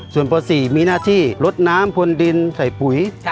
ส่วนป๔มีหน้าที่ลดน้ำพวนดินใส่ปุ๋ย